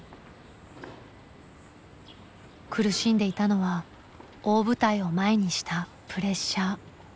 苦しんでいたのは大舞台を前にしたプレッシャー。